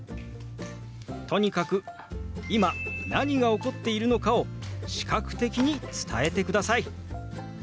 とにかく今何が起こっているのかを視覚的に伝えてください。